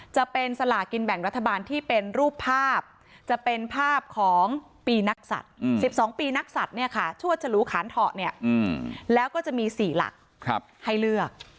จะเป็นสลากินแบ่งรัฐบาลที่เป็นรูปภาพจะเป็นภาพของปีนักศัตริย์๑๒ปีนักศัตริย์เนี่ยค่ะชวดฉลูขานเถาะเนี่ยแล้วก็จะมี๔หลักให้เลือก